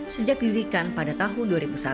sejak didirikan pada tahun dua ribu satu